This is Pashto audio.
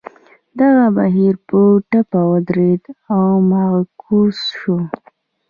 دغه بهیر په ټپه ودرېد او معکوس شو.